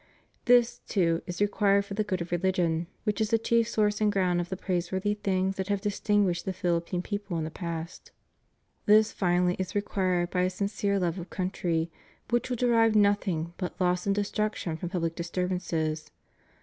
'" This, too, is required for the good of religion, which is the chief source and ground of the praiseworthy things which have distinguished the Philippine peoples in the past. This, finally, is required by a sincere love of country, which will derive nothing but loss and destruction from public disturbances.